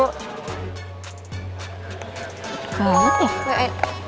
gak ada berlah ya